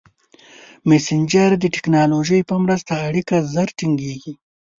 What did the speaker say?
مسېنجر د ټکنالوژۍ په مرسته اړیکه ژر ټینګېږي.